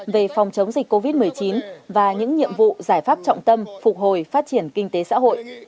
về phòng chống dịch covid một mươi chín và những nhiệm vụ giải pháp trọng tâm phục hồi phát triển kinh tế xã hội